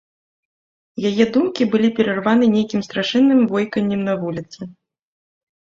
Яе думкі былі перарваны нейкім страшэнным войканнем на вуліцы.